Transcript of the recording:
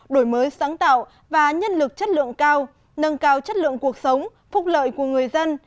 đổi mới sáng tạo và nhân lực chất lượng cao nâng cao chất lượng cuộc sống phúc lợi của người dân